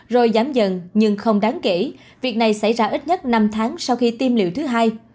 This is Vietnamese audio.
rồi giảm dần nhưng không đáng kể việc này xảy ra ít nhất năm tháng sau khi tiêm liều thứ hai